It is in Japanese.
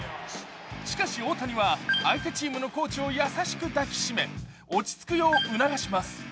しかし大谷は相手チームのコーチを優しく抱きしめ落ち着くよう促します。